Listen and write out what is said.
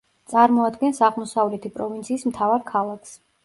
წარმოადგენს აღმოსავლეთი პროვინციის მთავარ ქალაქს.